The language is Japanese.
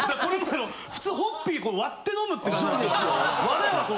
普通ホッピー割って飲むって感じなんですよ。